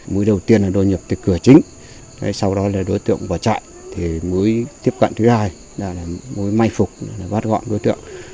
múi đầu tiên là đồ nhập từ cửa chính sau đó là đối tượng bỏ chạy múi tiếp cận thứ hai là múi may phục bắt gọn đối tượng